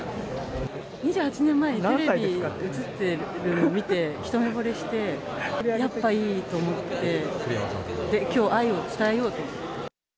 ２８年前にテレビに映っているのを見て一目ぼれして、やっぱいいと思って、きょう、愛を伝えようと思って。